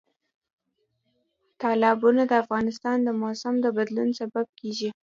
تالابونه د افغانستان د موسم د بدلون سبب کېږي.